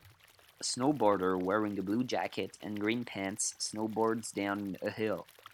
A snowboarder wearing a blue jacket and green pants snowboards down a hill